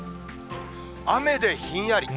雨でひんやり。